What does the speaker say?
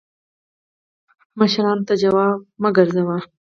مشرانو ته جواب مه ګرځوه